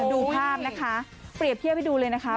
ดูภาพนะคะเปรียบเทียบให้ดูเลยนะคะ